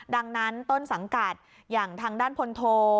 ดังนั้นต้นสังกัดอย่างทางด้านพลโท